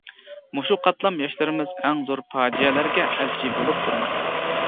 مۇشۇ قاتلام ياشلىرىمىز ئەڭ زور پاجىئەلەرگە ئەلچى بولۇپ تۇرماقتا.